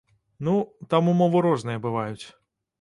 Ну, там умовы розныя бываюць.